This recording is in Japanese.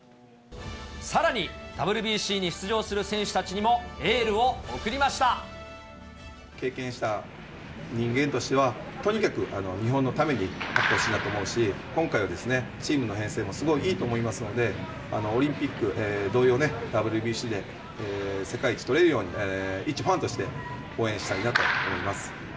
さらにＷＢＣに出場する選手経験した人間としては、とにかく日本のために、勝ってほしいなと思うし、今回はチームの編成もすごいいいと思いますので、オリンピック同様ね、ＷＢＣで世界一とれるように、いちファンとして応援したいなと思います。